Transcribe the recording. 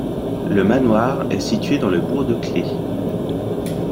Le manoir est situé dans le bourg de Clefs.